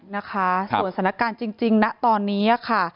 นะคะส่วนสถานการณ์จริงนะตอนนี้ค่ะ